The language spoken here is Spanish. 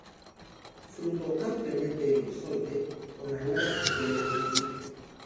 Fruto ampliamente elipsoide, con arrugas de pelo hirsuto.